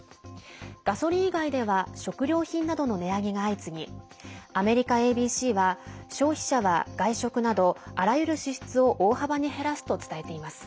ガソリン以外では食料品などの値上げが相次ぎアメリカＡＢＣは消費者は外食などあらゆる支出を大幅に減らすと伝えています。